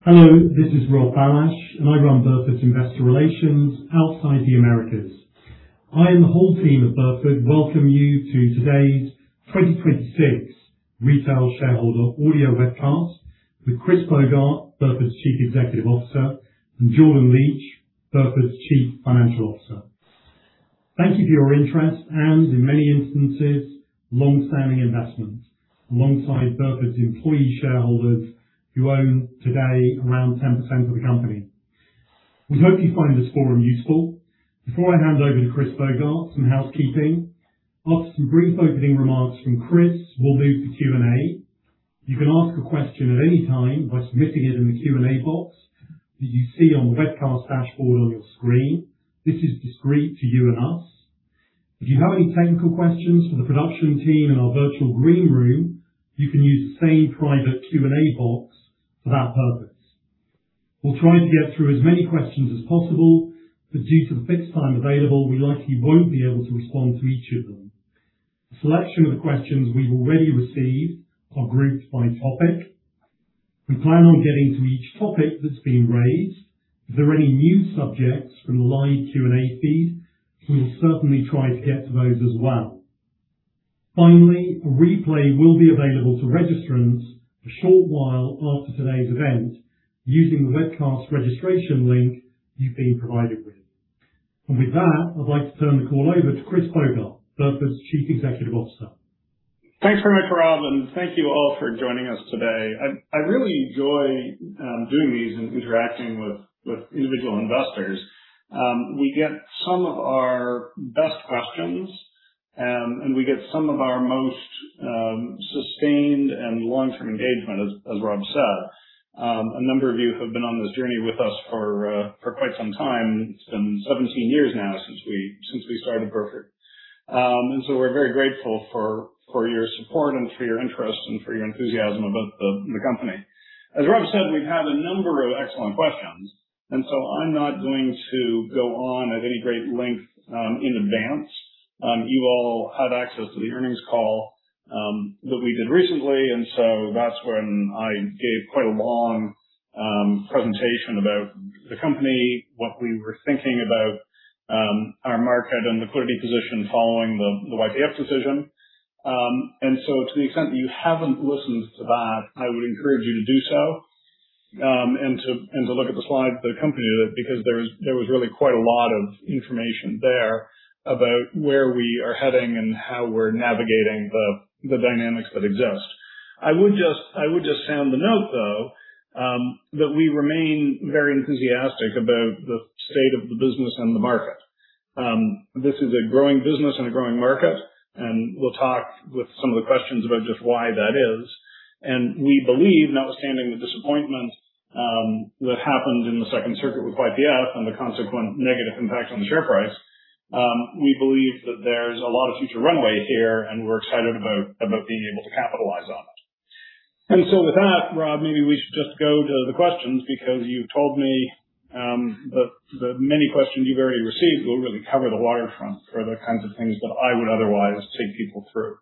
Hello, this is Robert Bailhache, and I run Burford's Investor Relations outside the Americas. I and the whole team at Burford welcome you to today's 2026 retail shareholder audio webcast with Christopher Bogart, Burford's Chief Executive Officer, and Jordan Licht, Burford's Chief Financial Officer. Thank you for your interest and, in many instances, longstanding investment alongside Burford's employee shareholders who own today around 10% of the company. We hope you find this forum useful. Before I hand over to Christopher Bogart, some housekeeping. After some brief opening remarks from Chris, we'll move to Q&A. You can ask a question at any time by submitting it in the Q&A box that you see on the webcast dashboard on your screen. This is discreet to you and us. If you have any technical questions for the production team in our virtual green room, you can use the same private Q&A box for that purpose. We'll try to get through as many questions as possible, but due to the fixed time available, we likely won't be able to respond to each of them. A selection of the questions we've already received are grouped by topic. We plan on getting to each topic that's been raised. If there are any new subjects from the live Q&A feed, we will certainly try to get to those as well. Finally, a replay will be available to registrants a short while after today's event using the webcast registration link you've been provided with. With that, I'd like to turn the call over to Christopher Bogart, Burford's Chief Executive Officer. Thanks very much, Rob, and thank you all for joining us today. I really enjoy doing these and interacting with individual investors. We get some of our best questions, and we get some of our most sustained and long-term engagement, as Rob said. A number of you have been on this journey with us for quite some time. It's been 17 years now since we started Burford. We're very grateful for your support and for your interest and for your enthusiasm about the company. As Rob said, we've had a number of excellent questions, I'm not going to go on at any great length in advance. You all had access to the earnings call that we did recently, that's when I gave quite a long presentation about the company, what we were thinking about our market and liquidity position following the YPF decision. To the extent that you haven't listened to that, I would encourage you to do so, and to look at the slides that accompany that, because there was really quite a lot of information there about where we are heading and how we're navigating the dynamics that exist. I would just sound the note, though, that we remain very enthusiastic about the state of the business and the market. This is a growing business and a growing market, and we'll talk with some of the questions about just why that is. We believe, notwithstanding the disappointment that happened in the Second Circuit with YPF and the consequent negative impact on the share price, we believe that there's a lot of future runway here and we're excited about being able to capitalize on it. With that, Rob, maybe we should just go to the questions because you've told me that the many questions you've already received will really cover the waterfront for the kinds of things that I would otherwise take people through.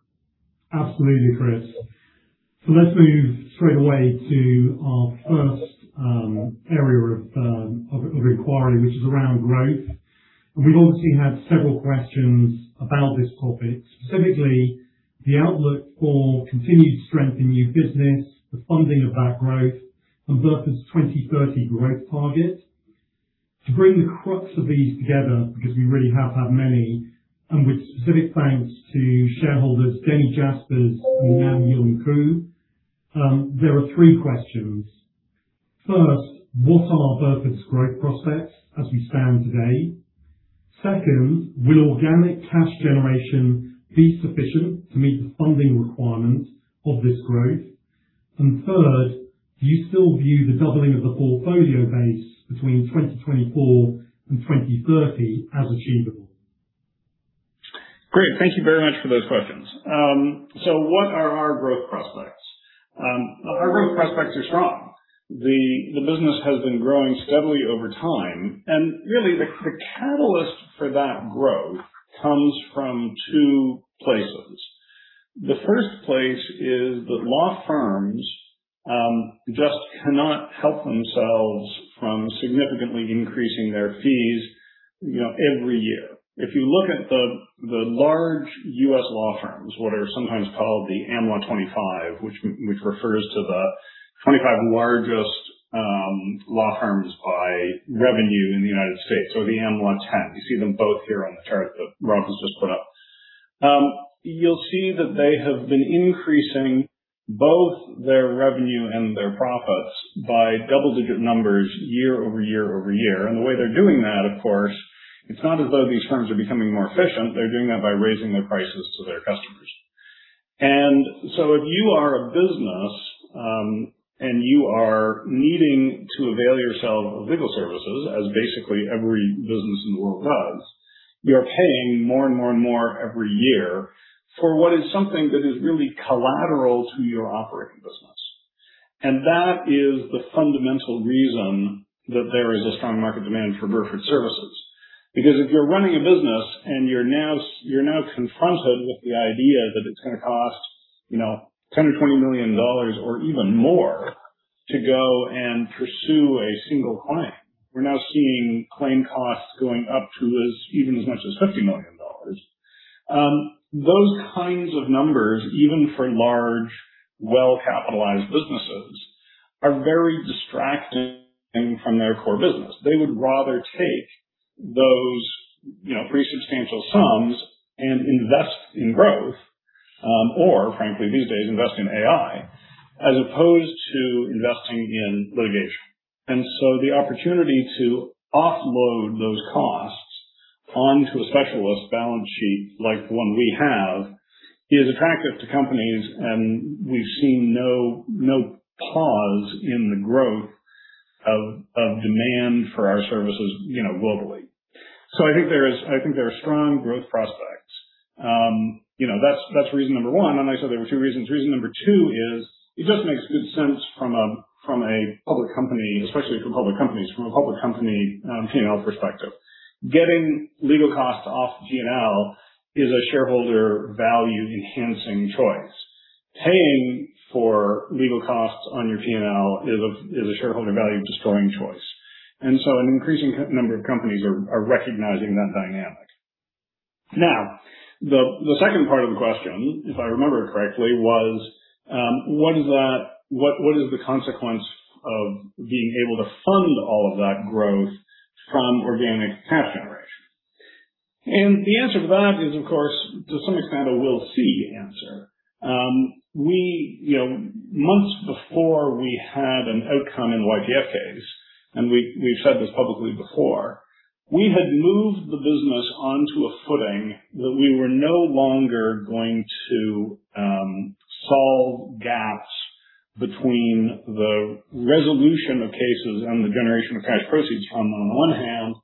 Absolutely, Chris. Let's move straight away to our first area of inquiry, which is around growth. We've obviously had several questions about this topic, specifically the outlook for continued strength in new business, the funding of that growth, and Burford's 2030 growth target. To bring the crux of these together, because we really have had many, and with specific thanks to shareholders Denny Jaspers and Neil Nealon-Crewe, there are three questions. First, what are Burford's growth prospects as we stand today? Second, will organic cash generation be sufficient to meet the funding requirements of this growth? And third, do you still view the doubling of the portfolio base between 2024 and 2030 as achievable? Great. Thank you very much for those questions. What are our growth prospects? Our growth prospects are strong. The business has been growing steadily over time, and really, the catalyst for that growth comes from two places. The first place is that law firms just cannot help themselves from significantly increasing their fees every year. If you look at the large U.S. law firms, what are sometimes called the Am Law 25, which refers to the 25 largest law firms by revenue in the United States or the Am Law 10, you see them both here on the chart that Rob has just put up. You'll see that they have been increasing both their revenue and their profits by double-digit numbers year-over-year-over-year. The way they're doing that, of course, it's not as though these firms are becoming more efficient. They're doing that by raising their prices to their customers. If you are a business and you are needing to avail yourself of legal services, as basically every business in the world does, you are paying more and more every year for what is something that is really collateral to your operating business. That is the fundamental reason that there is a strong market demand for Burford services. Because if you're running a business and you're now confronted with the idea that it's going to cost 10 or $20 million or even more to go and pursue a single claim. We're now seeing claim costs going up to even as much as $50 million. Those kinds of numbers, even for large, well-capitalized businesses, are very distracting from their core business. They would rather take those pretty substantial sums and invest in growth or, frankly, these days, invest in AI, as opposed to investing in litigation. The opportunity to offload those costs onto a specialist balance sheet like the one we have is attractive to companies, and we've seen no pause in the growth of demand for our services globally. I think there are strong growth prospects. That's reason number 1. I said there were two reasons. Reason number 2 is it just makes good sense, especially for public companies, from a public company P&L perspective. Getting legal costs off G&A is a shareholder value-enhancing choice. Paying for legal costs on your P&L is a shareholder value-destroying choice. An increasing number of companies are recognizing that dynamic. The second part of the question, if I remember it correctly, was what is the consequence of being able to fund all of that growth from organic cash generation? The answer to that is, of course, to some extent, a we'll see answer. Months before we had an outcome in the YPF case, and we've said this publicly before, we had moved the business onto a footing that we were no longer going to solve gaps between the resolution of cases and the generation of cash proceeds from, on one hand,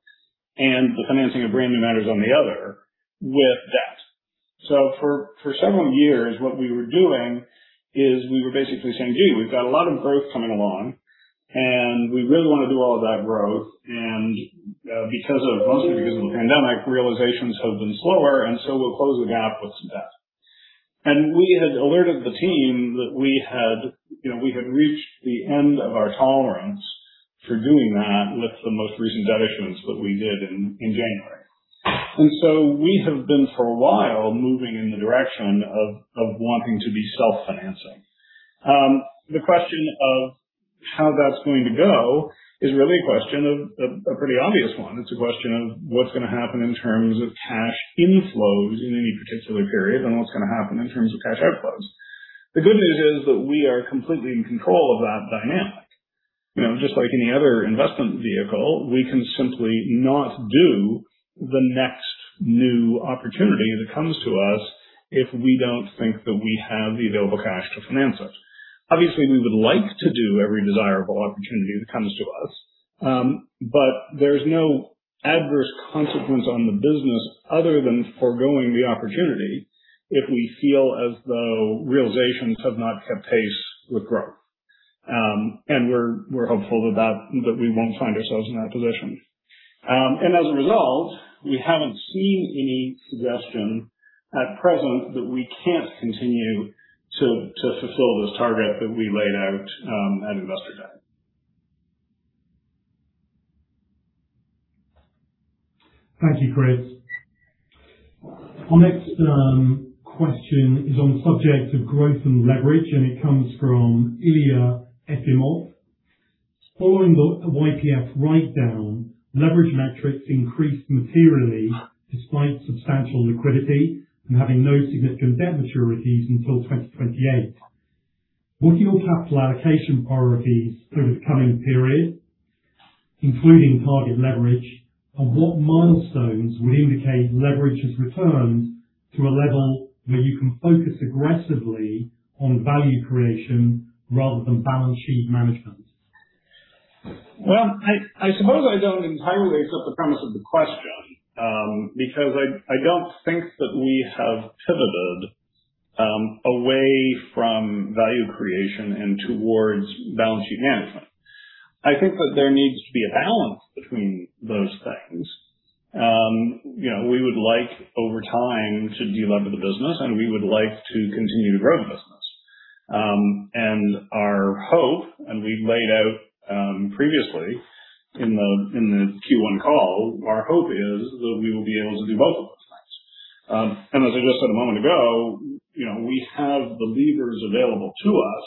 and the financing of brand new matters on the other with debt. For several years, what we were doing is we were basically saying, "Gee, we've got a lot of growth coming along, and we really want to do all of that growth. Mostly because of the pandemic, realizations have been slower, we'll close the gap with some debt." We had alerted the team that we had reached the end of our tolerance for doing that with the most recent debt issuance that we did in January. We have been, for a while, moving in the direction of wanting to be self-financing. The question of how that's going to go is really a question of a pretty obvious one. It's a question of what's going to happen in terms of cash inflows in any particular period, and what's going to happen in terms of cash outflows. The good news is that we are completely in control of that dynamic. Just like any other investment vehicle, we can simply not do the next new opportunity that comes to us if we don't think that we have the available cash to finance it. Obviously, we would like to do every desirable opportunity that comes to us, but there's no adverse consequence on the business other than foregoing the opportunity if we feel as though realizations have not kept pace with growth. We're hopeful that we won't find ourselves in that position. As a result, we haven't seen any suggestion at present that we can't continue to fulfill this target that we laid out at Investor Day. Thank you, Chris. Our next question is on the subject of growth and leverage, and it comes from Ilya Efimov. "Following the YPF write-down, leverage metrics increased materially despite substantial liquidity and having no significant debt maturities until 2028. What are your capital allocation priorities for the coming period, including target leverage? What milestones would indicate leverage has returned to a level where you can focus aggressively on value creation rather than balance sheet management? Well, I suppose I don't entirely accept the premise of the question, because I don't think that we have pivoted away from value creation and towards balance sheet management. I think that there needs to be a balance between those things. We would like, over time, to delever the business, and we would like to continue to grow the business. Our hope, and we laid out previously in the Q1 call, our hope is that we will be able to do both of those things. As I just said a moment ago, we have the levers available to us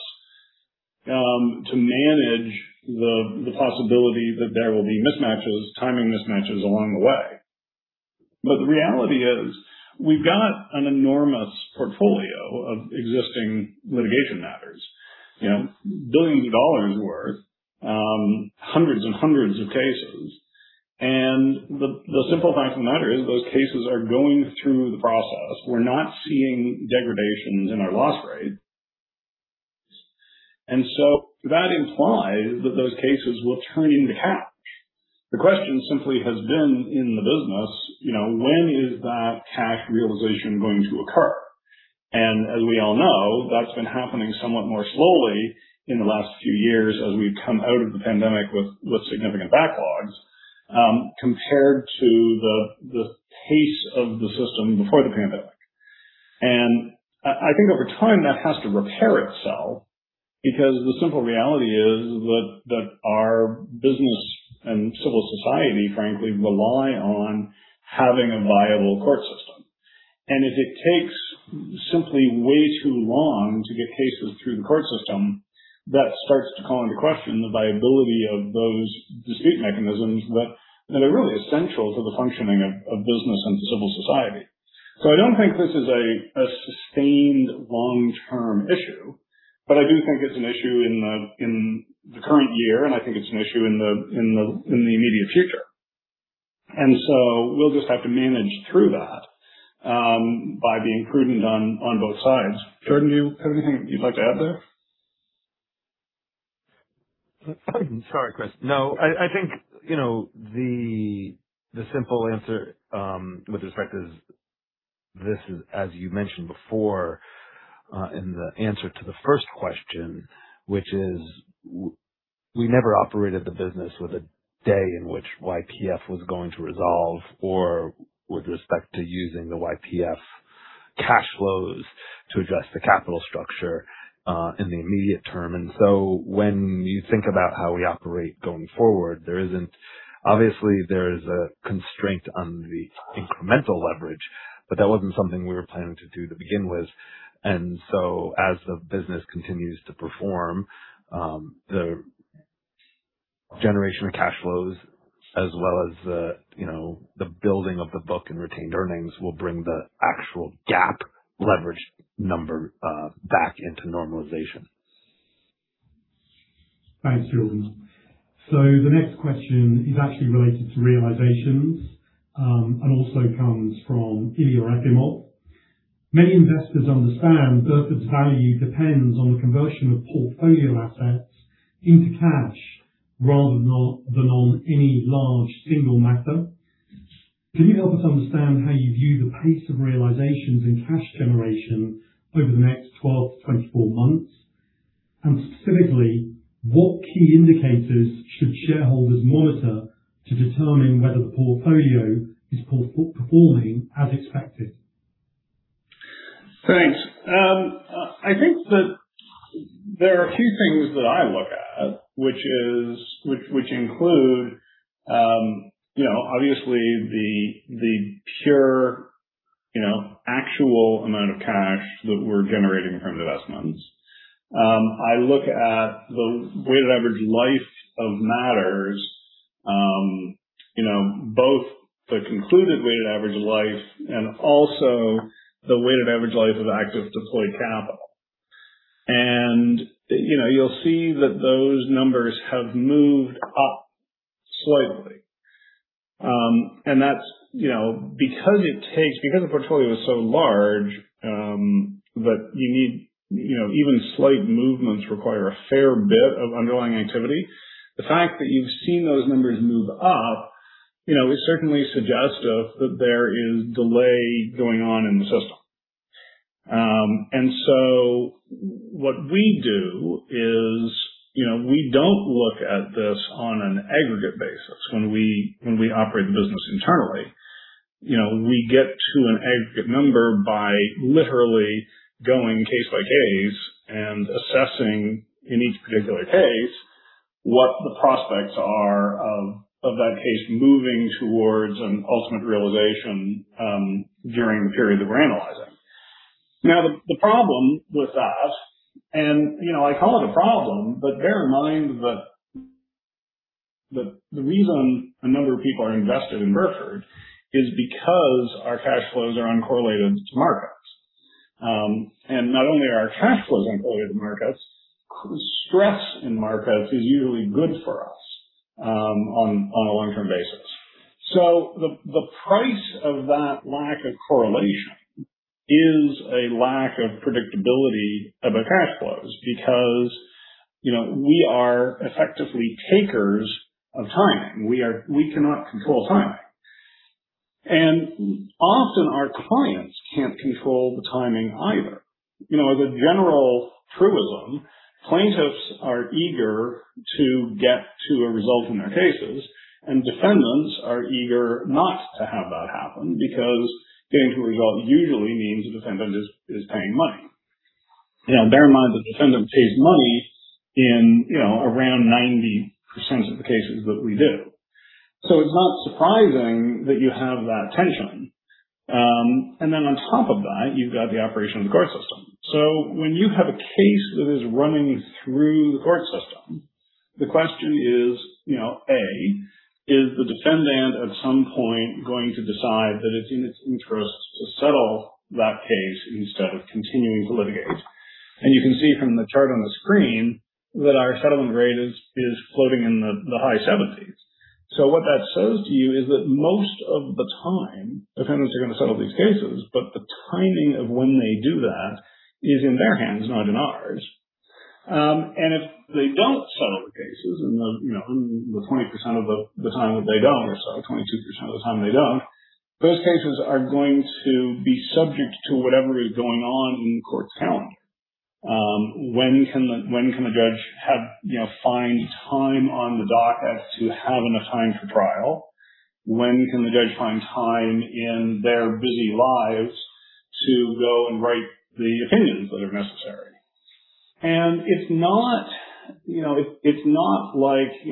to manage the possibility that there will be timing mismatches along the way. The reality is we've got an enormous portfolio of existing litigation matters, billions of dollars' worth, hundreds and hundreds of cases. The simple fact of the matter is those cases are going through the process. We're not seeing degradations in our loss rate. That implies that those cases will turn into cash. The question simply has been in the business, when is that cash realization going to occur? As we all know, that's been happening somewhat more slowly in the last few years as we've come out of the pandemic with significant backlogs, compared to the pace of the system before the pandemic. I think over time, that has to repair itself, because the simple reality is that our business and civil society, frankly, rely on having a viable court system. If it takes simply way too long to get cases through the court system, that starts to call into question the viability of those dispute mechanisms that are really essential to the functioning of business and civil society. I don't think this is a sustained long-term issue, I do think it's an issue in the current year, I think it's an issue in the immediate future. We'll just have to manage through that by being prudent on both sides. Jordan, do you have anything you'd like to add there? Sorry, Chris. No. I think, the simple answer, with respect is this is, as you mentioned before, in the answer to the first question, which is, we never operated the business with a day in which YPF was going to resolve, or with respect to using the YPF cash flows to address the capital structure, in the immediate term. When you think about how we operate going forward, obviously, there is a constraint on the incremental leverage, but that wasn't something we were planning to do to begin with. As the business continues to perform, the generation of cash flows as well as the building of the book and retained earnings will bring the actual GAAP leverage number back into normalization. Thanks, Jordan. The next question is actually related to realizations, and also comes from Ilya Efimov. Many investors understand Burford's value depends on the conversion of portfolio assets into cash rather than on any large single matter. Can you help us understand how you view the pace of realizations in cash generation over the next 12-24 months? Specifically, what key indicators should shareholders monitor to determine whether the portfolio is performing as expected? Thanks. I think that there are a few things that I look at, which include obviously the pure actual amount of cash that we're generating from investments. I look at the weighted average life of matters, both the concluded weighted average life and also the weighted average life of active deployed capital. You'll see that those numbers have moved up slightly. That's because the portfolio is so large, that even slight movements require a fair bit of underlying activity. The fact that you've seen those numbers move up, is certainly suggestive that there is delay going on in the system. What we do is, we don't look at this on an aggregate basis when we operate the business internally. We get to an aggregate number by literally going case by case and assessing in each particular case what the prospects are of that case moving towards an ultimate realization during the period that we're analyzing. The problem with that, and I call it a problem, but bear in mind that the reason a number of people are invested in Burford is because our cash flows are uncorrelated to markets. Not only are our cash flows uncorrelated to markets, stress in markets is usually good for us on a long-term basis. The price of that lack of correlation is a lack of predictability of our cash flows because we are effectively takers of time. We cannot control time. Often our clients can't control the timing either. As a general truism, plaintiffs are eager to get to a result in their cases. Defendants are eager not to have that happen because getting to a result usually means the defendant is paying money. Bear in mind, the defendant pays money in around 90% of the cases that we do. It's not surprising that you have that tension. On top of that, you've got the operation of the court system. When you have a case that is running through the court system, the question is, A, is the defendant at some point going to decide that it's in its interest to settle that case instead of continuing to litigate? You can see from the chart on the screen that our settlement rate is floating in the high 70s. What that says to you is that most of the time, defendants are going to settle these cases, but the timing of when they do that is in their hands, not in ours. If they don't settle the cases and the 20% of the time that they don't, or sorry, 22% of the time they don't, those cases are going to be subject to whatever is going on in the court's calendar. When can a judge find time on the docket to have enough time for trial? When can the judge find time in their busy lives to go and write the opinions that are necessary?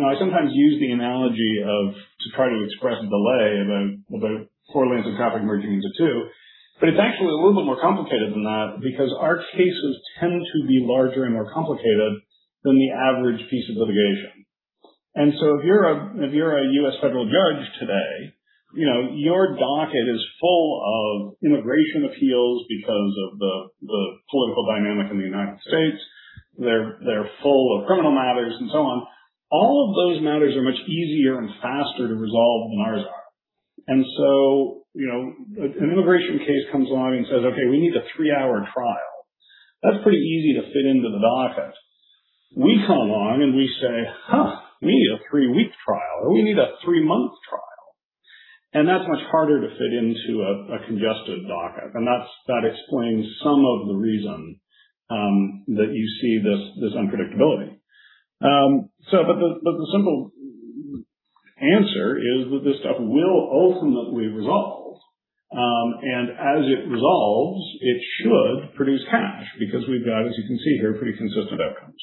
I sometimes use the analogy to try to express delay about four lanes of traffic merging into two, but it's actually a little bit more complicated than that because our cases tend to be larger and more complicated than the average piece of litigation. If you're a U.S. federal judge today, your docket is full of immigration appeals because of the political dynamic in the United States. They're full of criminal matters and so on. All of those matters are much easier and faster to resolve than ours are. An immigration case comes along and says, "Okay, we need a three-hour trial." That's pretty easy to fit into the docket. We come along and we say, "Huh. We need a three-week trial, or we need a three-month trial." That's much harder to fit into a congested docket, and that explains some of the reason that you see this unpredictability. The simple answer is that this stuff will ultimately resolve. As it resolves, it should produce cash because we've got, as you can see here, pretty consistent outcomes.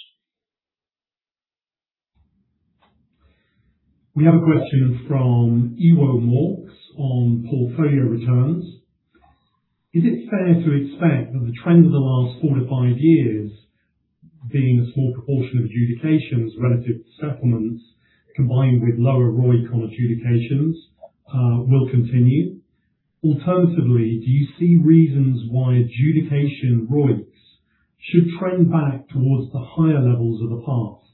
We have a question from Ewo Morx on portfolio returns. Is it fair to expect that the trend of the last four to five years, being a small proportion of adjudications relative to settlements, combined with lower ROIC on adjudications, will continue? Alternatively, do you see reasons why adjudication ROICs should trend back towards the higher levels of the past?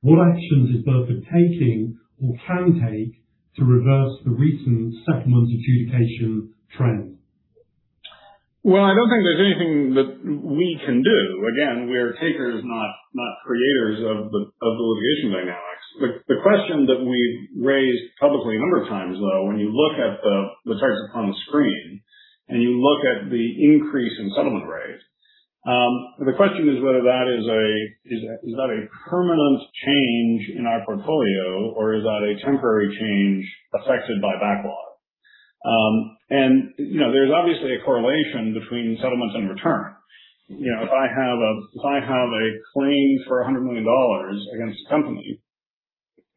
What actions is Burford taking or can take to reverse the recent settlement adjudication trend? Well, I don't think there's anything that we can do. Again, we are takers, not creators of the litigation dynamics. The question that we've raised publicly a number of times, though, when you look at the charts up on the screen, you look at the increase in settlement rates. The question is whether is that a permanent change in our portfolio, or is that a temporary change affected by backlog? There's obviously a correlation between settlements and return. If I have a claim for $100 million against a company,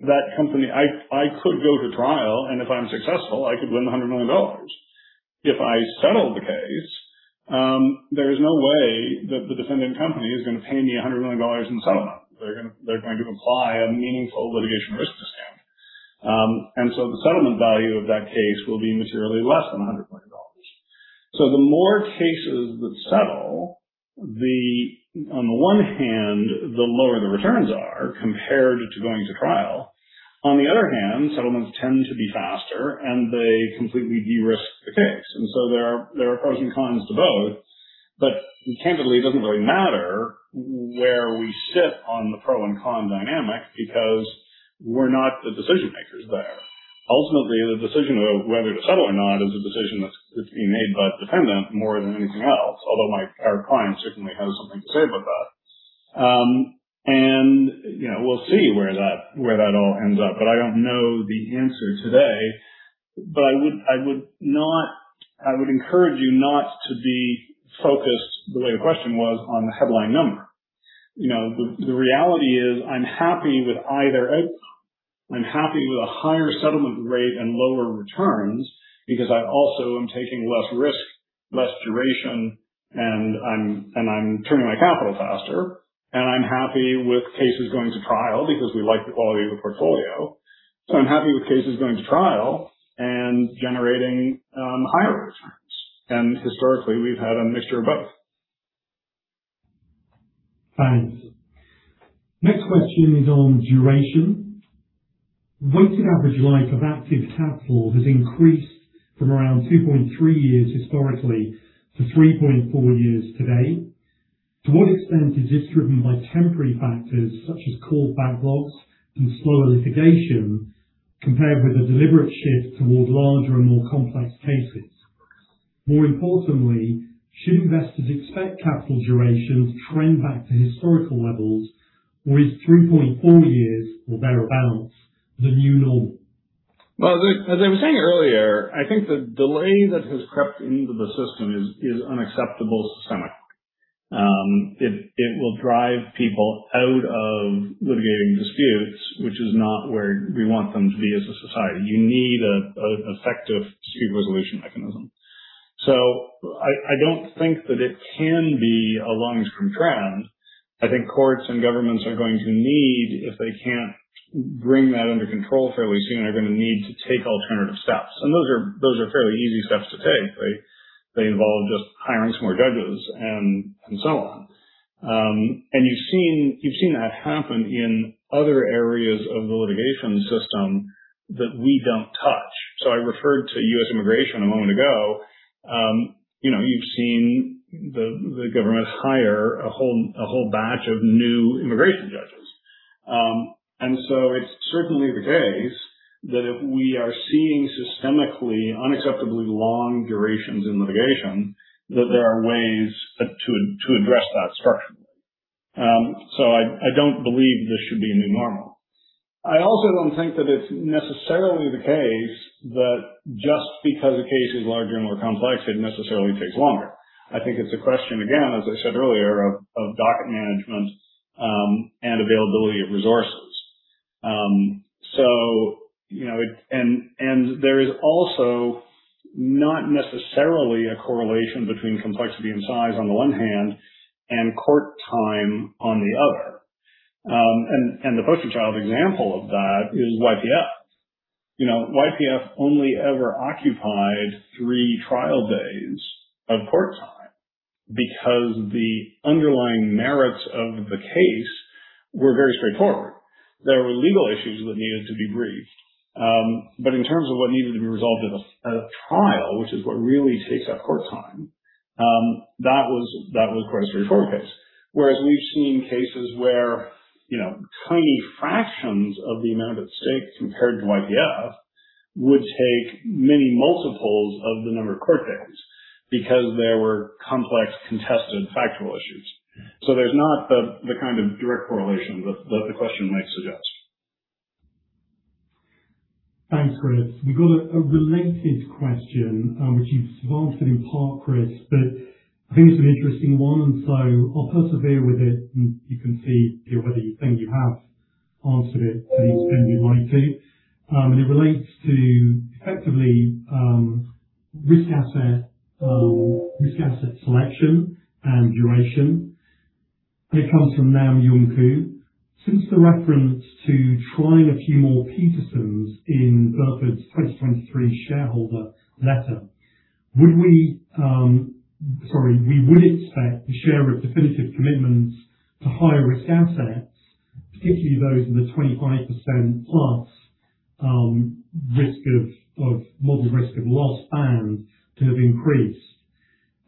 I could go to trial, and if I'm successful, I could win $100 million. If I settle the case, there is no way that the defendant company is going to pay me $100 million in settlement. They're going to apply a meaningful litigation risk discount. The settlement value of that case will be materially less than $100 million. The more cases that settle, on the one hand, the lower the returns are compared to going to trial. On the other hand, settlements tend to be faster, and they completely de-risk the case. There are pros and cons to both. Candidly, it doesn't really matter where we sit on the pro and con dynamic because we're not the decision-makers there. Ultimately, the decision of whether to settle or not is a decision that's being made by the defendant more than anything else. Although our client certainly has something to say about that. We'll see where that all ends up, but I don't know the answer today. I would encourage you not to be focused the way the question was on the headline number. The reality is, I'm happy with a higher settlement rate and lower returns because I also am taking less risk, less duration, and I'm turning my capital faster, and I'm happy with cases going to trial because we like the quality of the portfolio. I'm happy with cases going to trial and generating higher returns. Historically, we've had a mixture of both. Thanks. Next question is on duration. Weighted average life of active capital has increased from around 2.3 years historically to 3.4 years today. To what extent is this driven by temporary factors such as court backlogs and slower litigation, compared with a deliberate shift towards larger and more complex cases? More importantly, should investors expect capital duration to trend back to historical levels, or is 3.4 years or better balance the new normal? Well, as I was saying earlier, I think the delay that has crept into the system is unacceptably systemic. It will drive people out of litigating disputes, which is not where we want them to be as a society. You need an effective dispute resolution mechanism. I don't think that it can be a long-term trend. I think courts and governments are going to need, if they can't bring that under control fairly soon, they're going to need to take alternative steps. Those are fairly easy steps to take, right? They involve just hiring some more judges and so on. You've seen that happen in other areas of the litigation system that we don't touch. I referred to U.S. immigration a moment ago. You've seen the government hire a whole batch of new immigration judges. It's certainly the case that if we are seeing systemically unacceptably long durations in litigation, that there are ways to address that structurally. I don't believe this should be a new normal. I also don't think that it's necessarily the case that just because a case is larger and more complex, it necessarily takes longer. I think it's a question, again, as I said earlier, of docket management and availability of resources. There is also not necessarily a correlation between complexity and size on the one hand, and court time on the other. The poster child example of that is YPF. YPF only ever occupied three trial days of court time because the underlying merits of the case were very straightforward. There were legal issues that needed to be briefed. In terms of what needed to be resolved at a trial, which is what really takes up court time, that was quite a straightforward case. Whereas we've seen cases where tiny fractions of the amount at stake compared to YPF would take many multiples of the number of court days because there were complex, contested factual issues. There's not the kind of direct correlation that the question might suggest. Thanks, Chris. We've got a related question, which you've answered in part, Chris, I think it's an interesting one. I'll persevere with it. You can see whether you think you have answered it to the extent you'd like to. It relates to effectively risk asset selection and duration. It comes from Nam Jung Koo. Since the reference to trying a few more Petersen in Burford's 2023 shareholder letter, we would expect the share of definitive commitments to higher risk assets, particularly those in the 25%+ model risk of loss to have increased.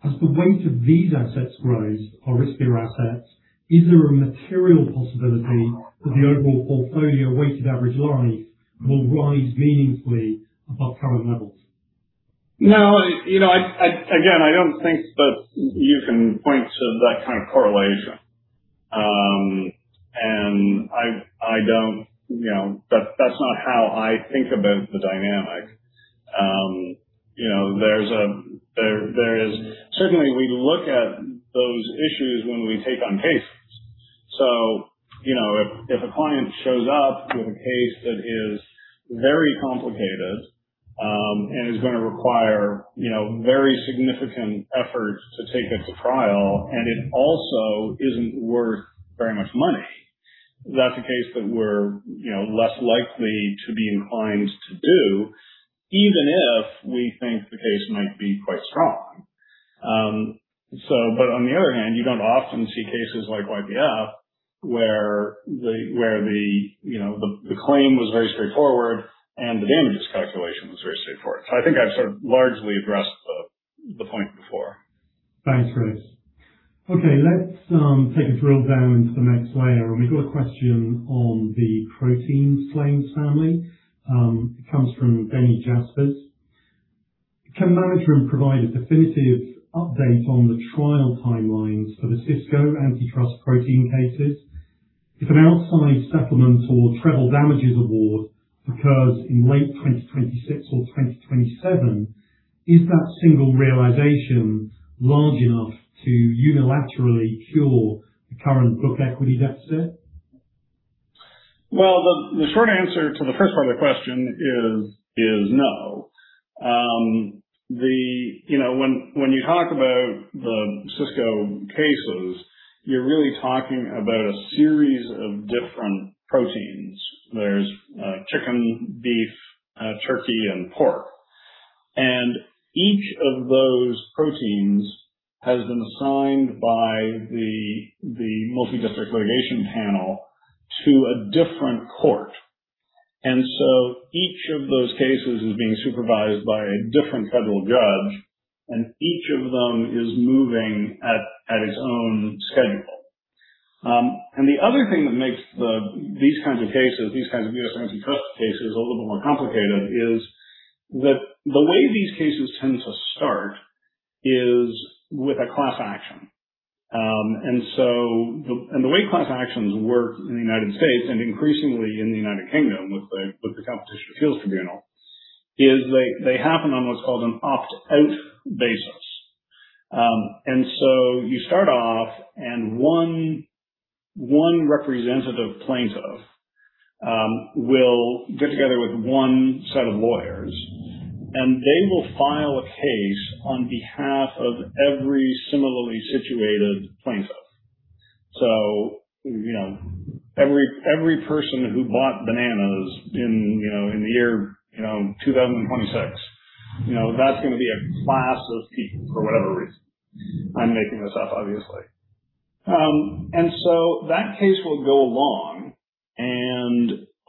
As the weight of these assets grows or riskier assets, is there a material possibility that the overall portfolio weighted average life will rise meaningfully above current levels? No. Again, I don't think that you can point to that kind of correlation. That's not how I think about the dynamic. Certainly, we look at those issues when we take on cases. If a client shows up with a case that is very complicated is going to require very significant efforts to take it to trial, It also isn't worth very much money, that's a case that we're less likely to be inclined to do, even if we think the case might be quite strong. On the other hand, you don't often see cases like YPF, where the claim was very straightforward the damages calculation was very straightforward. I think I've sort of largely addressed the point before. Thanks, Chris. Okay, let's take a drill down into the next layer. We've got a question on the protein claims family. It comes from Denny Jaspers. Can management provide a definitive update on the trial timelines for the Sysco antitrust protein cases? If an outsized settlement or treble damages award occurs in late 2026 or 2027, is that single realization large enough to unilaterally cure the current book equity deficit? The short answer to the first part of the question is no. When you talk about the Sysco cases, you're really talking about a series of different proteins. There's chicken, beef, turkey, and pork. Each of those proteins has been assigned by the Multi-District Litigation Panel to a different court. Each of those cases is being supervised by a different federal judge, Each of them is moving at its own schedule. The other thing that makes these kinds of U.S. antitrust cases a little more complicated is that the way these cases tend to start is with a class action. The way class actions work in the United States, and increasingly in the United Kingdom with the Competition Appeal Tribunal, is they happen on what's called an opt-out basis. You start off, one representative plaintiff will get together with one set of lawyers, they will file a case on behalf of every similarly situated plaintiff. Every person who bought bananas in the year 2026, that's going to be a class of people for whatever reason. I'm making this up, obviously. That case will go along,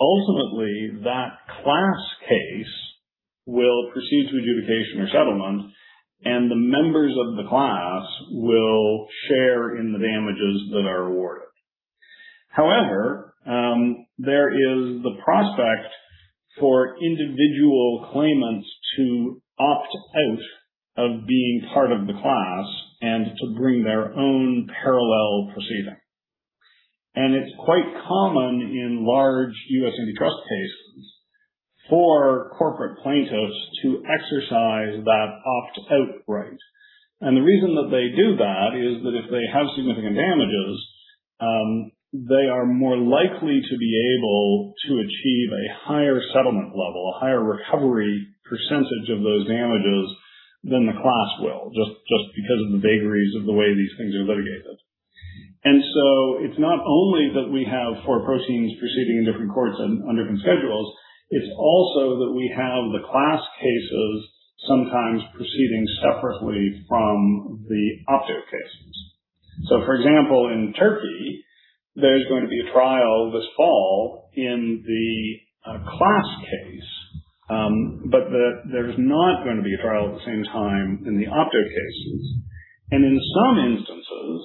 ultimately that class case will proceed to adjudication or settlement, the members of the class will share in the damages that are awarded. However, there is the prospect for individual claimants to opt out of being part of the class and to bring their own parallel proceeding. It's quite common in large U.S. antitrust cases for corporate plaintiffs to exercise that opt-out right. The reason that they do that is that if they have significant damages, they are more likely to be able to achieve a higher settlement level, a higher recovery percentage of those damages than the class will, just because of the vagaries of the way these things are litigated. It's not only that we have four proceedings proceeding in different courts on different schedules, it's also that we have the class cases sometimes proceeding separately from the opt-out cases. For example, in Turkey, there's going to be a trial this fall in the class case, but there's not going to be a trial at the same time in the opt-out cases. In some instances,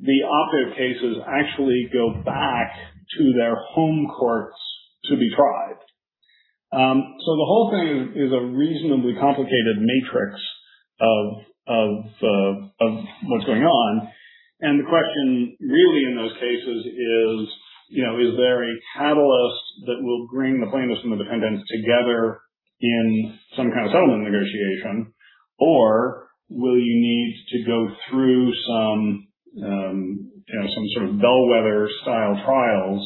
the opt-out cases actually go back to their home courts to be tried. The whole thing is a reasonably complicated matrix of what's going on. The question really in those cases is there a catalyst that will bring the plaintiffs and the defendants together in some kind of settlement negotiation, or will you need to go through some sort of bellwether style trials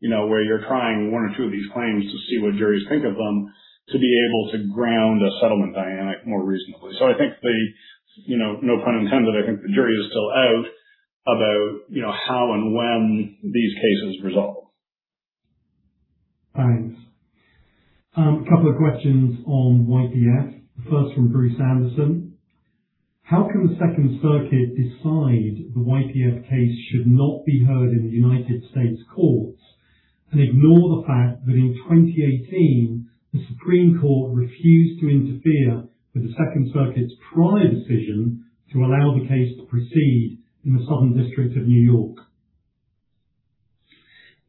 where you're trying one or two of these claims to see what juries think of them, to be able to ground a settlement dynamic more reasonably? No pun intended, I think the jury is still out about how and when these cases resolve. Thanks. A couple of questions on YPF. First from Bruce Anderson. How can the Second Circuit decide the YPF case should not be heard in the U.S. courts and ignore the fact that in 2018, the Supreme Court refused to interfere with the Second Circuit's prior decision to allow the case to proceed in the Southern District of New York?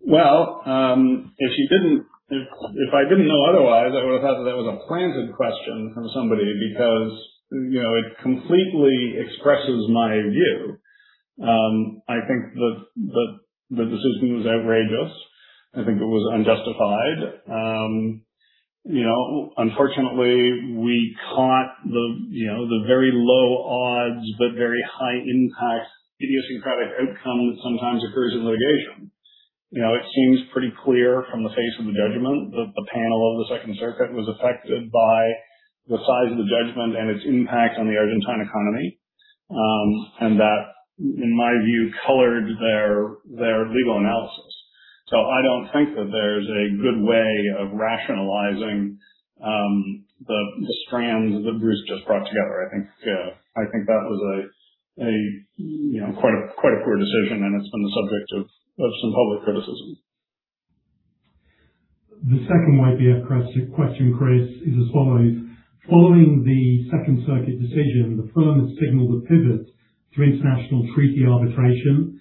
Well, if I didn't know otherwise, I would have thought that was a planted question from somebody because it completely expresses my view. I think that the decision was outrageous. I think it was unjustified. Unfortunately, we caught the very low odds but very high impact, idiosyncratic outcome that sometimes occurs in litigation. It seems pretty clear from the face of the judgment that the panel of the Second Circuit was affected by the size of the judgment and its impact on the Argentine economy. That, in my view, colored their legal analysis. I don't think that there's a good way of rationalizing the strands that Bruce just brought together. I think that was quite a poor decision, and it's been the subject of some public criticism. The second YPF question, Chris, is as follows. Following the Second Circuit decision, the firm has signaled a pivot to international treaty arbitration.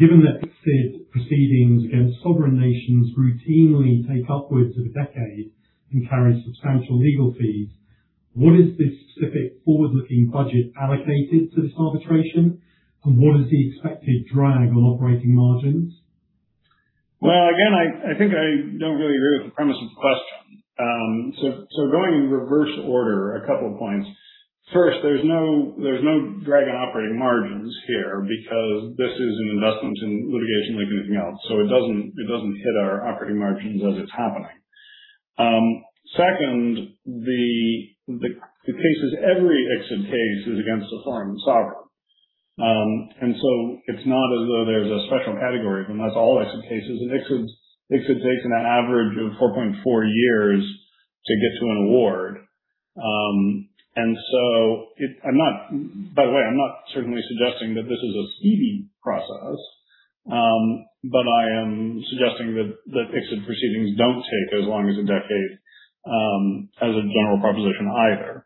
Given that ICSID proceedings against sovereign nations routinely take upwards of a decade and carry substantial legal fees, what is the specific forward-looking budget allocated to this arbitration, and what is the expected drag on operating margins? Well, again, I think I don't really agree with the premise of the question. Going in reverse order, a couple of points. First, there's no drag on operating margins here because this is an investment in litigation like anything else. It doesn't hit our operating margins as it's happening. Second, every ICSID case is against a foreign sovereign. It's not as though there's a special category, that's all ICSID cases. ICSID cases take an average of 4.4 years to get to an award. By the way, I'm not certainly suggesting that this is a speedy process, but I am suggesting that ICSID proceedings don't take as long as a decade, as a general proposition either.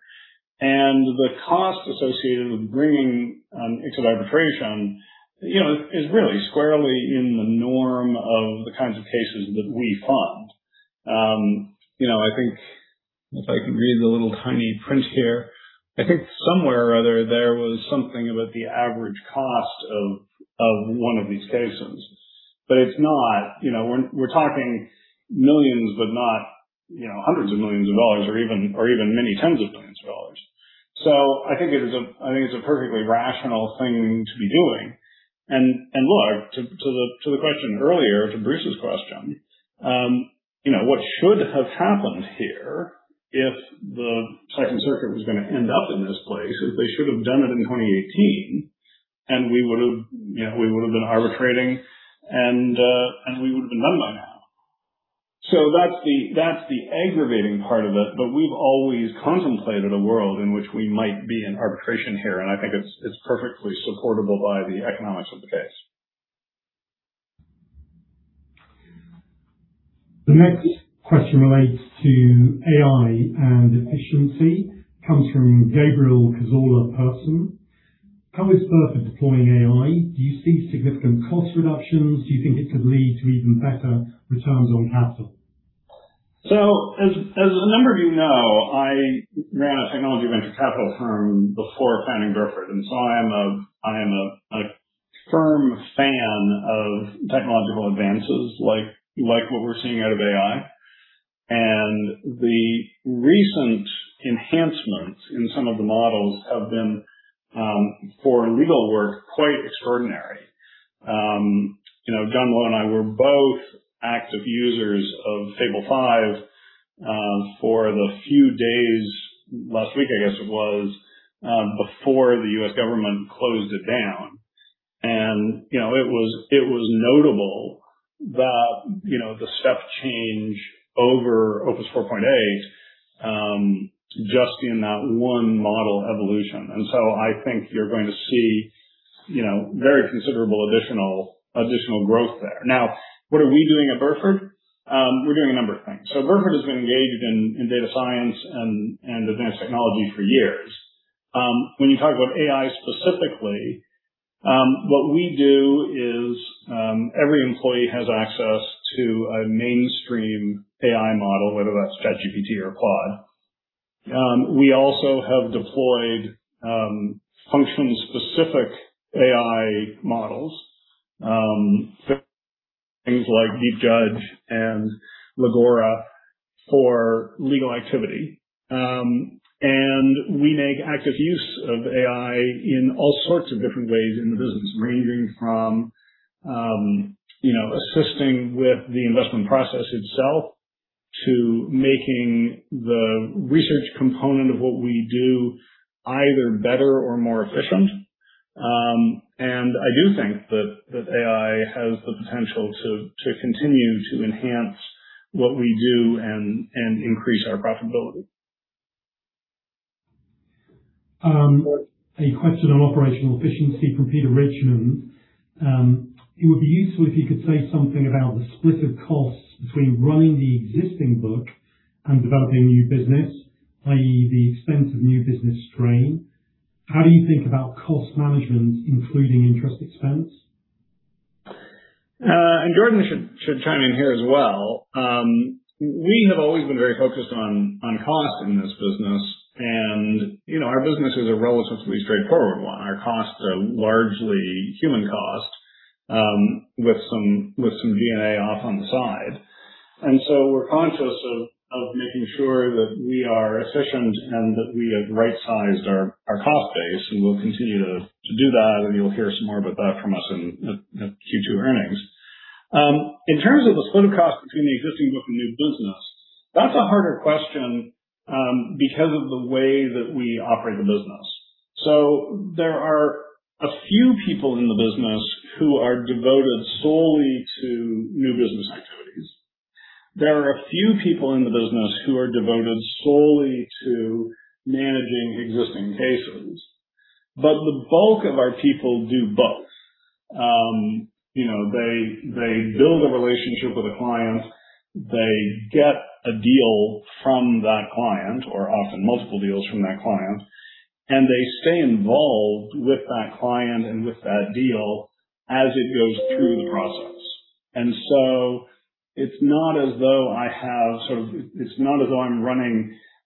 The cost associated with bringing an ICSID arbitration is really squarely in the norm of the kinds of cases that we fund. If I can read the little tiny print here, I think somewhere or other there was something about the average cost of one of these cases. We're talking millions but not hundreds of millions of dollars or even many tens of millions of dollars. I think it's a perfectly rational thing to be doing. Look, to the question earlier, to Bruce's question, what should have happened here, if the Second Circuit was going to end up in this place, is they should have done it in 2018, and we would have been arbitrating, and we would have been done by now. That's the aggravating part of it. We've always contemplated a world in which we might be in arbitration here, and I think it's perfectly supportable by the economics of the case. The next question relates to AI and efficiency. Comes from Gabriel Cazola Person. How is Burford deploying AI? Do you see significant cost reductions? Do you think it could lead to even better returns on capital? As a number of you know, I ran a technology venture capital firm before founding Burford, I am a firm fan of technological advances like what we're seeing out of AI. The recent enhancements in some of the models have been, for legal work, quite extraordinary. Jon Molot and I were both active users of Fable 5 for the few days last week, I guess it was, before the U.S. government closed it down. It was notable that the step change over Opus 4.8 just in that one model evolution. I think you're going to see very considerable additional growth there. What are we doing at Burford? We're doing a number of things. Burford has been engaged in data science and advanced technology for years. When you talk about AI specifically, what we do is, every employee has access to a mainstream AI model, whether that's ChatGPT or Claude. We also have deployed function-specific AI models, things like DeepJudge and Legora for legal activity. We make active use of AI in all sorts of different ways in the business, ranging from assisting with the investment process itself to making the research component of what we do either better or more efficient. I do think that AI has the potential to continue to enhance what we do and increase our profitability. A question on operational efficiency from Peter Richmond. It would be useful if you could say something about the split of costs between running the existing book and developing new business, i.e., the expense of new business strain. How do you think about cost management, including interest expense? Jordan should chime in here as well. We have always been very focused on cost in this business. Our business is a relatively straightforward one. Our costs are largely human cost, with some D&A off on the side. We're conscious of making sure that we are efficient and that we have right-sized our cost base, and we'll continue to do that. You'll hear some more about that from us in the Q2 earnings. In terms of the split of cost between the existing book and new business, that's a harder question because of the way that we operate the business. There are a few people in the business who are devoted solely to new business activities. There are a few people in the business who are devoted solely to managing existing cases. The bulk of our people do both. They build a relationship with a client, they get a deal from that client, or often multiple deals from that client, and they stay involved with that client and with that deal as it goes through the process. It's not as though I'm running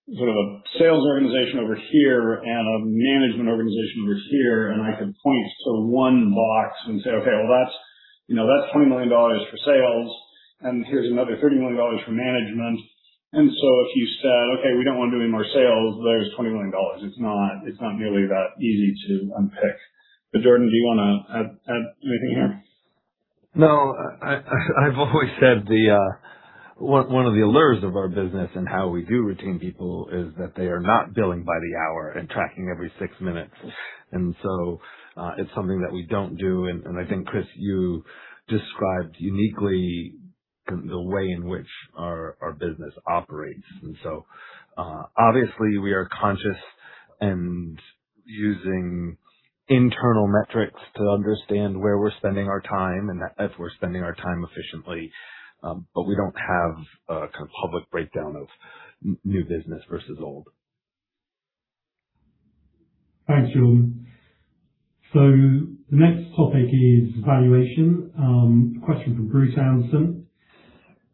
a sales organization over here and a management organization over here, and I can point to one box and say, "Okay, well, that's $20 million for sales, and here's another $30 million for management." If you said, "Okay, we don't want to do any more sales," there's $20 million. It's not nearly that easy to unpick. Jordan, do you want to add anything here? No. I've always said one of the allures of our business and how we do retain people is that they are not billing by the hour and tracking every six minutes. It's something that we don't do. I think, Chris, you described uniquely the way in which our business operates. Obviously we are conscious and using internal metrics to understand where we're spending our time and if we're spending our time efficiently. We don't have a public breakdown of new business versus old. Thanks, Jordan. The next topic is valuation. Question from Bruce Anderson.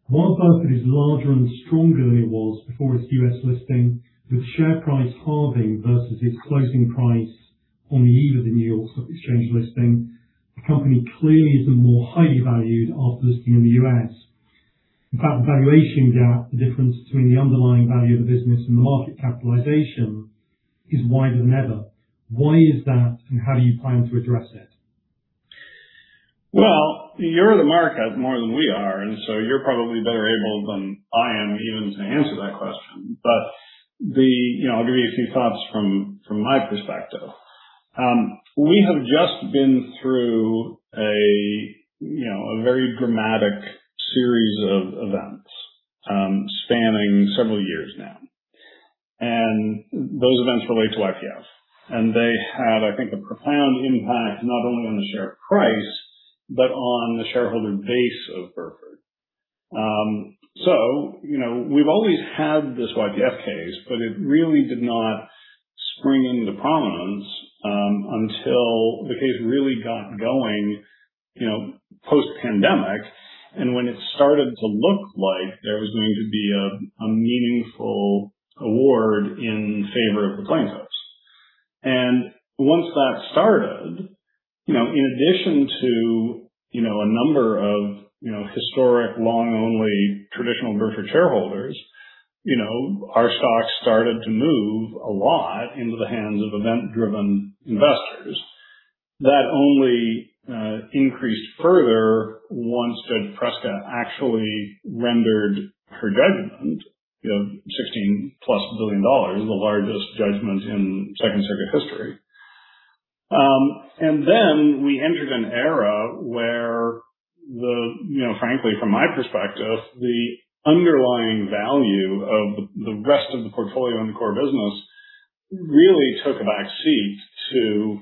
While Burford is larger and stronger than it was before its U.S. listing, with share price halving versus its closing price on the eve of the New York Stock Exchange listing, the company clearly isn't more highly valued after listing in the U.S. In fact, the valuation gap, the difference between the underlying value of the business and the market capitalization, is wider than ever. Why is that, and how do you plan to address it? You're the market more than we are, you're probably better able than I am even to answer that question. I'll give you a few thoughts from my perspective. We have just been through a very dramatic series of events spanning several years now, those events relate to YPF, they had, I think, a profound impact not only on the share price but on the shareholder base of Burford. We've always had this YPF case, it really did not spring into prominence until the case really got going post-pandemic and when it started to look like there was going to be a meaningful award in favor of the plaintiffs. Once that started, in addition to a number of historic, long-only traditional Burford shareholders, our stock started to move a lot into the hands of event-driven investors. That only increased further once Loretta Preska actually rendered her judgment of $16-plus billion, the largest judgment in Second Circuit history. We entered an era where, frankly from my perspective, the underlying value of the rest of the portfolio and the core business really took a back seat to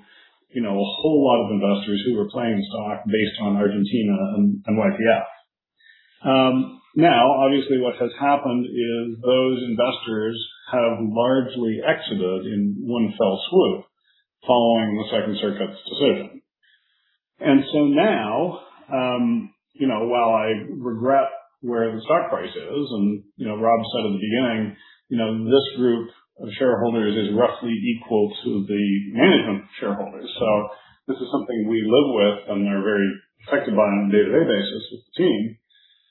a whole lot of investors who were playing the stock based on Argentina and YPF. Obviously, what has happened is those investors have largely exited in one fell swoop following the Second Circuit's decision. While I regret where the stock price is, Rob said at the beginning, this group of shareholders is roughly equal to the management shareholders. This is something we live with and are very affected by on a day-to-day basis with the team.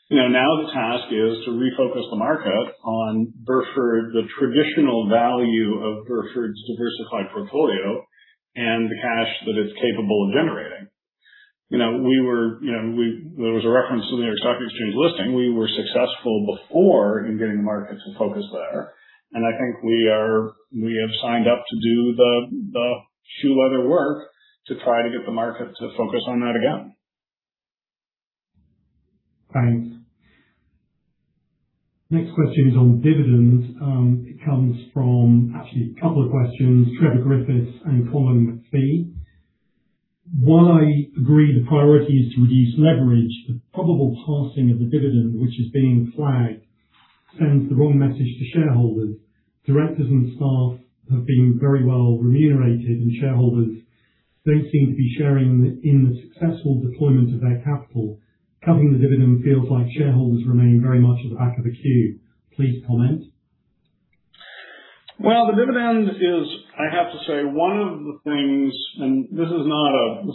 The task is to refocus the market on Burford, the traditional value of Burford's diversified portfolio, and the cash that it's capable of generating. There was a reference to the New York Stock Exchange listing. We were successful before in getting the market to focus there, I think we have signed up to do the shoe leather work to try to get the market to focus on that again. Thanks. Next question is on dividends. It comes from, actually, a couple of questions, Trevor Griffiths and Colin McPhee. While I agree the priority is to reduce leverage, the probable passing of the dividend, which is being flagged, sends the wrong message to shareholders. Directors and staff have been very well remunerated, shareholders don't seem to be sharing in the successful deployment of their capital. Cutting the dividend feels like shareholders remain very much at the back of the queue. Please comment. Well, the dividend is, I have to say, one of the things, and this is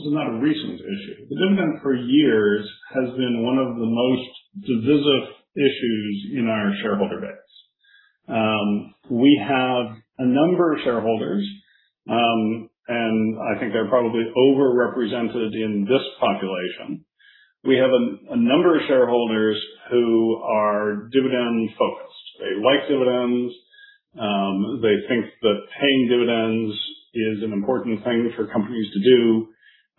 not a recent issue. The dividend for years has been one of the most divisive issues in our shareholder base. We have a number of shareholders, and I think they're probably over-represented in this population. We have a number of shareholders who are dividend-focused. They like dividends. They think that paying dividends is an important thing for companies to do.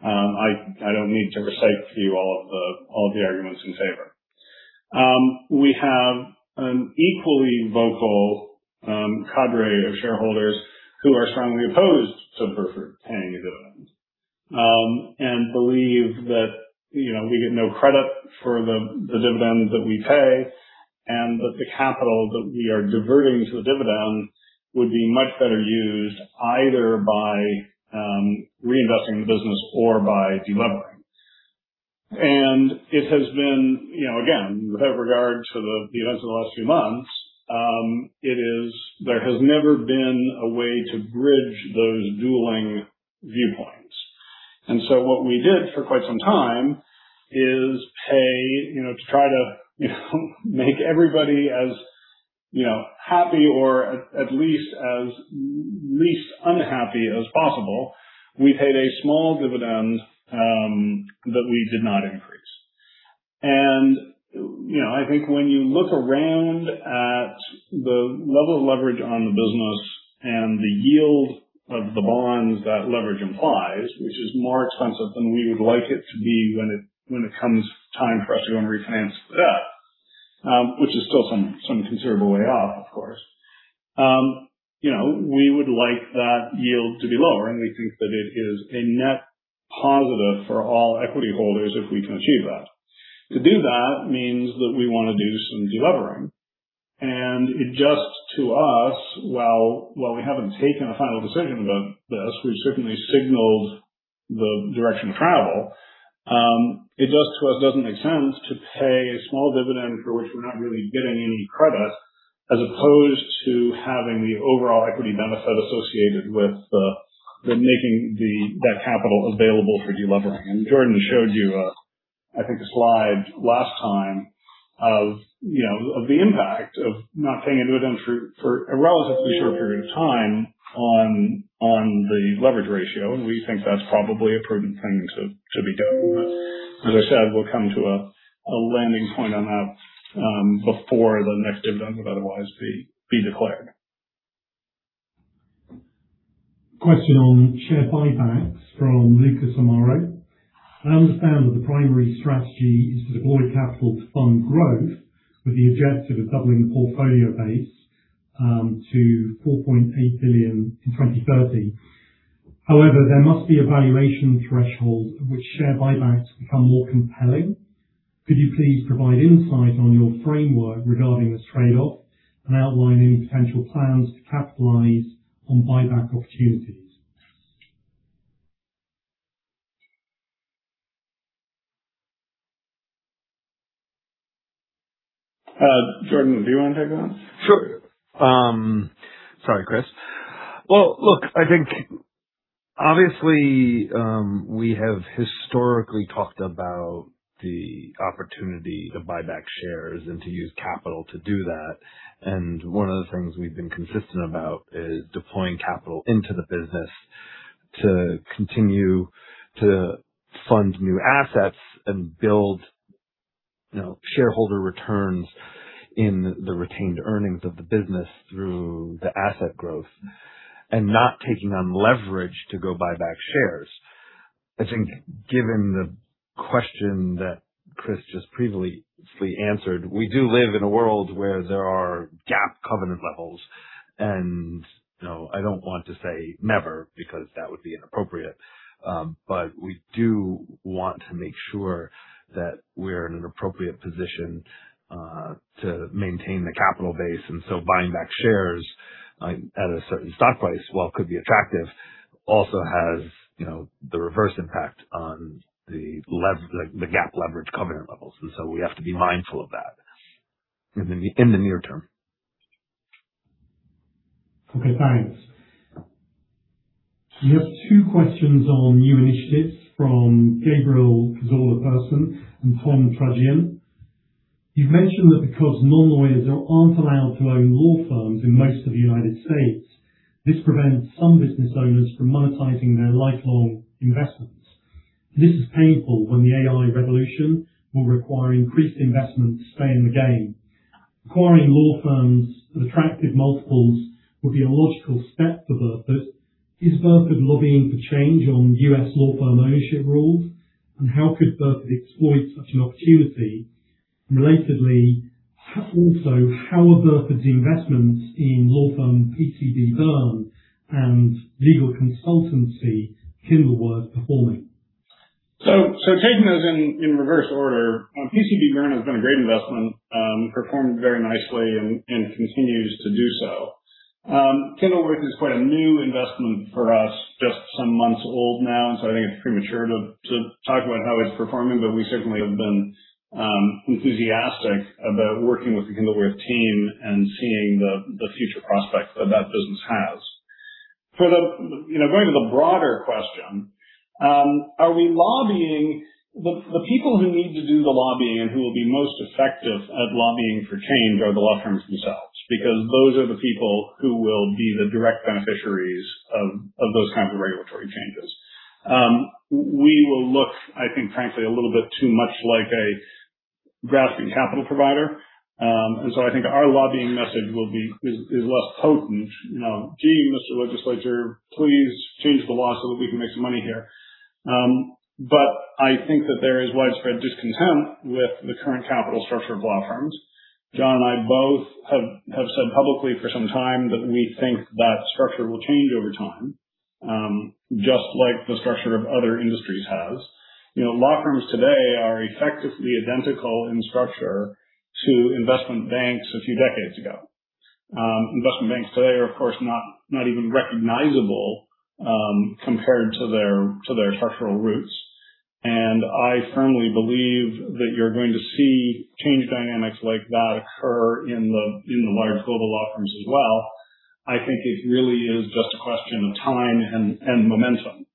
I don't need to recite for you all of the arguments in favor. We have an equally vocal cadre of shareholders who are strongly opposed to Burford paying a dividend and believe that we get no credit for the dividends that we pay, and that the capital that we are diverting to the dividend would be much better used either by reinvesting in the business or by de-levering. It has been, again, without regard to the events of the last few months, there has never been a way to bridge those dueling viewpoints. What we did for quite some time is pay to try to make everybody as happy or at least as least unhappy as possible. We paid a small dividend that we did not increase. I think when you look around at the level of leverage on the business and the yield of the bonds that leverage implies, which is more expensive than we would like it to be when it comes time for us to go and refinance the debt, which is still some considerable way off, of course. We would like that yield to be lower, and we think that it is a net positive for all equity holders if we can achieve that. To do that means that we want to do some de-levering, and it just to us, while we haven't taken a final decision about this, we've certainly signaled the direction of travel. It just to us doesn't make sense to pay a small dividend for which we're not really getting any credit, as opposed to having the overall equity benefit associated with making that capital available for de-levering. Jordan showed you, I think, a slide last time of the impact of not paying a dividend for a relatively short period of time on the leverage ratio, and we think that's probably a prudent thing to be doing. As I said, we'll come to a landing point on that before the next dividend would otherwise be declared. Question on share buybacks from Lucas Amaro. I understand that the primary strategy is to deploy capital to fund growth with the objective of doubling the portfolio base to $4.8 billion in 2030. However, there must be a valuation threshold at which share buybacks become more compelling. Could you please provide insight on your framework regarding this trade-off and outline any potential plans to capitalize on buyback opportunities? Jordan, do you want to take that one? Sure. Sorry, Chris. Well, look, I think obviously, we have historically talked about the opportunity to buy back shares and to use capital to do that. One of the things we've been consistent about is deploying capital into the business to continue to fund new assets and build shareholder returns in the retained earnings of the business through the asset growth and not taking on leverage to go buy back shares. I think given the question that Chris just previously answered, we do live in a world where there are GAAP covenant levels. I don't want to say never because that would be inappropriate. We do want to make sure that we're in an appropriate position to maintain the capital base. Buying back shares at a certain stock price, while could be attractive, also has the reverse impact on the GAAP leverage covenant levels. We have to be mindful of that in the near term. Okay, thanks. We have two questions on new initiatives from Gabriel Cazola Person and Tom Trudgian. You've mentioned that because non-lawyers aren't allowed to own law firms in most of the U.S., this prevents some business owners from monetizing their lifelong investments. This is painful when the AI revolution will require increased investment to stay in the game. Acquiring law firms at attractive multiples would be a logical step for Burford. Is Burford lobbying for change on U.S. law firm ownership rules? How could Burford exploit such an opportunity? Relatedly, also, how are Burford's investments in law firm PCB Byrne and legal consultancy Kindleworth performing? Taking those in reverse order. PCB Byrne has been a great investment, performed very nicely and continues to do so. Kindleworth is quite a new investment for us, just some months old now, so I think it's premature to talk about how it's performing. We certainly have been enthusiastic about working with the Kindleworth team and seeing the future prospects that that business has. Going to the broader question, are we lobbying? The people who need to do the lobbying and who will be most effective at lobbying for change are the law firms themselves, because those are the people who will be the direct beneficiaries of those kinds of regulatory changes. We will look, I think, frankly, a little bit too much like a grasping capital provider. I think our lobbying message is less potent. Gee, Mr. Legislature, please change the law so that we can make some money here." I think that there is widespread discontent with the current capital structure of law firms. Jon and I both have said publicly for some time that we think that structure will change over time, just like the structure of other industries has. Law firms today are effectively identical in structure to investment banks a few decades ago. Investment banks today are of course not even recognizable, compared to their structural roots. I firmly believe that you're going to see change dynamics like that occur in the large global law firms as well. I think it really is just a question of time and momentum.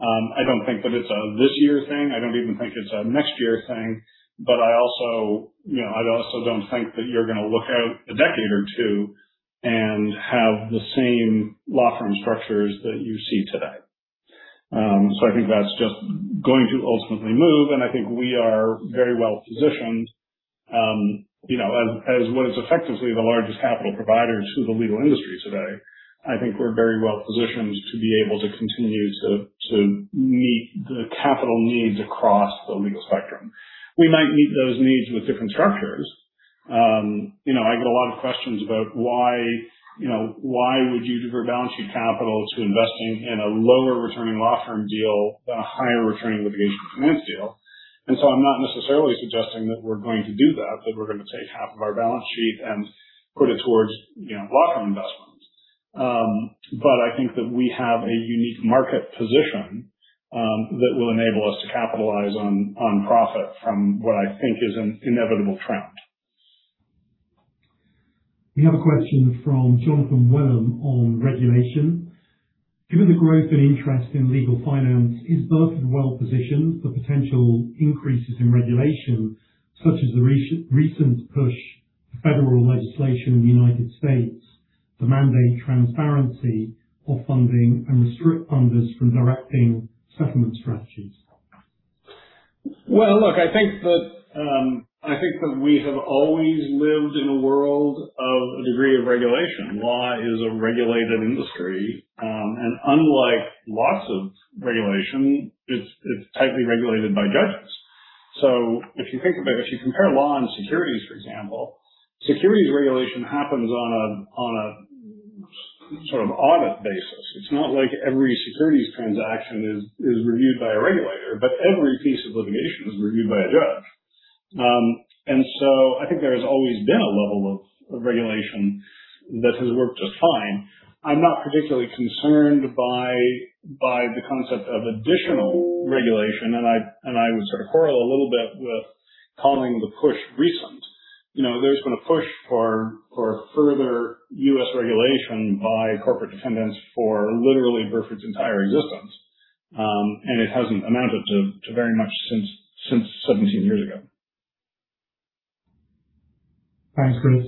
I don't think that it's a this year thing. I don't even think it's a next year thing. I also don't think that you're going to look out a decade or two and have the same law firm structures that you see today. I think that's just going to ultimately move, and I think we are very well positioned. As what is effectively the largest capital provider to the legal industry today, I think we're very well positioned to be able to continue to meet the capital needs across the legal spectrum. We might meet those needs with different structures. I get a lot of questions about why would you divert balance sheet capital to investing in a lower returning law firm deal than a higher returning litigation finance deal. I'm not necessarily suggesting that we're going to do that we're going to take half of our balance sheet and put it towards law firm investments. I think that we have a unique market position that will enable us to capitalize on profit from what I think is an inevitable trend. We have a question from Jonathan Welham on regulation. Given the growth and interest in legal finance, is Burford well-positioned for potential increases in regulation, such as the recent push The federal legislation in the United States to mandate transparency of funding and restrict funders from directing settlement strategies. Well, I think that we have always lived in a world of a degree of regulation. Law is a regulated industry. Unlike lots of regulation, it's tightly regulated by judges. If you think about it, if you compare law and securities, for example, securities regulation happens on a sort of audit basis. It's not like every securities transaction is reviewed by a regulator, but every piece of litigation is reviewed by a judge. I think there has always been a level of regulation that has worked just fine. I'm not particularly concerned by the concept of additional regulation, and I would sort of quarrel a little bit with calling the push recent. There's been a push for further U.S. regulation by corporate defendants for literally Burford's entire existence. It hasn't amounted to very much since 17 years ago. Thanks, Chris.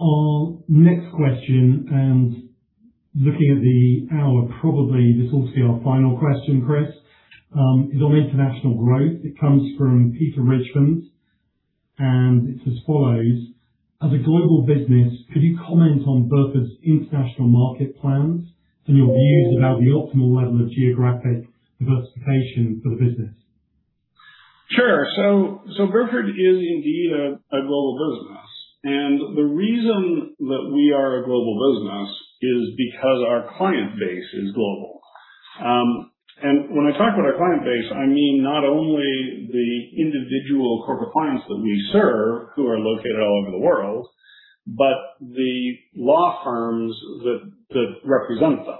Our next question, looking at the hour, probably this will be our final question, Chris, is on international growth. It comes from Peter Richmond, it's as follows: as a global business, could you comment on Burford's international market plans and your views about the optimal level of geographic diversification for the business? Sure. Burford is indeed a global business. The reason that we are a global business is because our client base is global. When I talk about our client base, I mean not only the individual corporate clients that we serve who are located all over the world, but the law firms that represent them.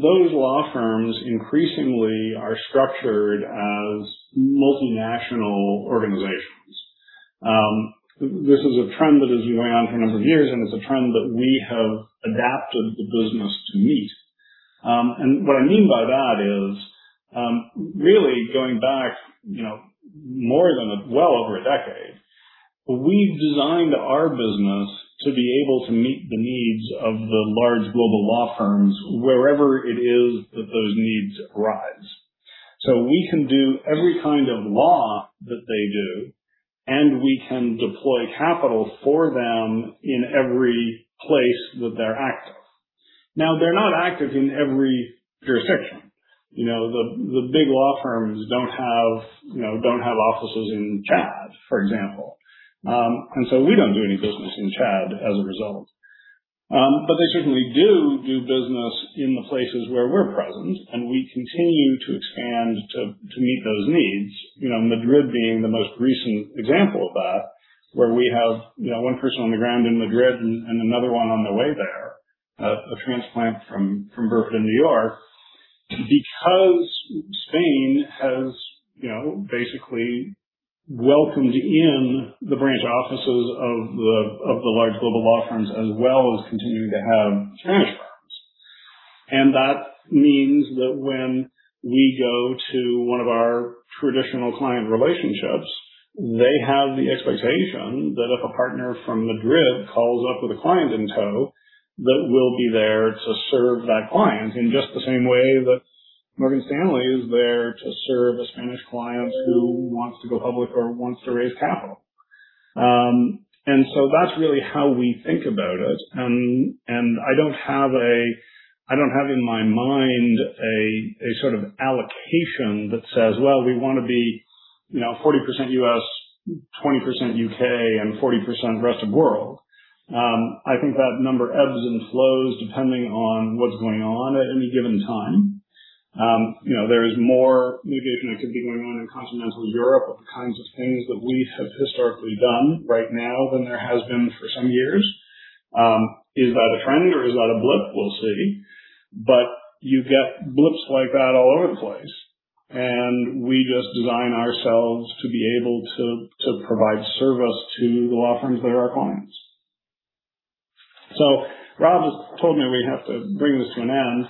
Those law firms increasingly are structured as multinational organizations. This is a trend that has been around for a number of years, and it's a trend that we have adapted the business to meet. What I mean by that is, really going back more than well over a decade, we've designed our business to be able to meet the needs of the large global law firms wherever it is that those needs arise. We can do every kind of law that they do, we can deploy capital for them in every place that they're active. They're not active in every jurisdiction. The big law firms don't have offices in Chad, for example. We don't do any business in Chad as a result. They certainly do do business in the places where we're present, and we continue to expand to meet those needs. Madrid being the most recent example of that, where we have one person on the ground in Madrid and another one on the way there, a transplant from Burford in New York. Spain has basically welcomed in the branch offices of the large global law firms, as well as continuing to have Spanish firms. That means that when we go to one of our traditional client relationships, they have the expectation that if a partner from Madrid calls up with a client in tow, that we'll be there to serve that client in just the same way that Morgan Stanley is there to serve a Spanish client who wants to go public or wants to raise capital. That's really how we think about it. I don't have in my mind a sort of allocation that says, "We want to be 40% U.S., 20% U.K., and 40% rest of world." I think that number ebbs and flows depending on what's going on at any given time. There is more litigation that could be going on in continental Europe of the kinds of things that we have historically done right now than there has been for some years. Is that a trend or is that a blip? We'll see. You get blips like that all over the place. We just design ourselves to be able to provide service to the law firms that are our clients. Rob has told me we have to bring this to an end.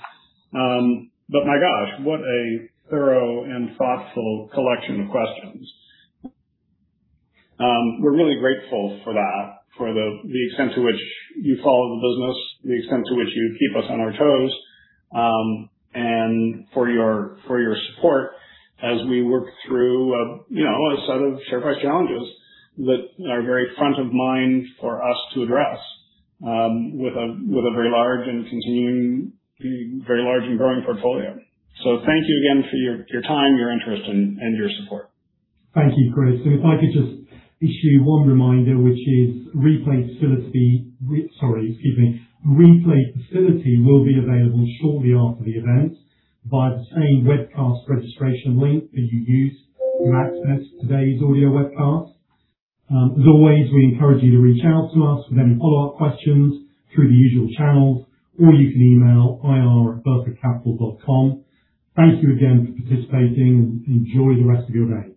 My gosh, what a thorough and thoughtful collection of questions. We're really grateful for that, for the extent to which you follow the business, the extent to which you keep us on our toes, and for your support as we work through a set of share price challenges that are very front of mind for us to address with a very large and growing portfolio. Thank you again for your time, your interest, and your support. Thank you, Chris. If I could just issue one reminder, which is replay facility will be available shortly after the event via the same webcast registration link that you used to access today's audio webcast. As always, we encourage you to reach out to us with any follow-up questions through the usual channels, or you can email ir@burfordcapital.com. Thank you again for participating, enjoy the rest of your day.